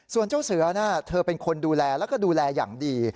ส่วนเจ้าเสือเธอเป็นคนดูแลแล้วก็ดูแลอย่างดี